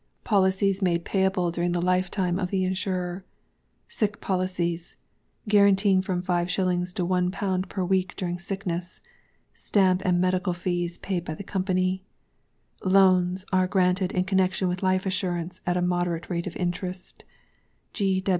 POLICIES MADE PAYABLE DURING THE LIFETIME OF THE INSURER. SICK POLICIES Guaranteeing from 5s. to ┬Ż1 per week during Sickness. Stamp and Medical Fees paid by the Company. LOANS Are granted in connexion with Life Assurance, at a moderate rate of interest.